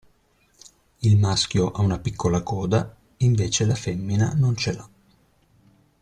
Il maschio ha una piccola coda invece la femmina non ce l'ha.